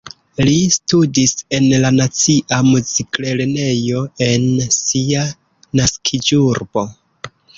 Li studis en la nacia muziklernejo en sia naskiĝurbo.